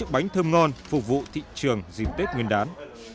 bánh thơm ngon phục vụ thị trường dịp tết nguyên đán